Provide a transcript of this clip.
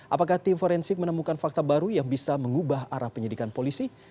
apakah tim forensik menemukan fakta baru yang bisa mengubah arah penyidikan polisi